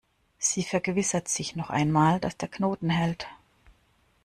Sie vergewissert sich noch einmal, dass der Knoten hält.